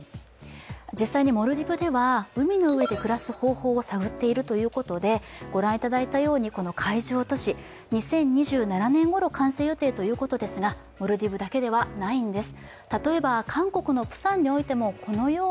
実際にモルディブでは海の上で暮らす方法を探っているということで、ご覧いただいたように海上都市、２０２７年ごろ完成予定ということですが、モルディブだけではないんです。